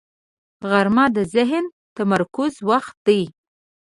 غرمه د ذهني تمرکز وخت دی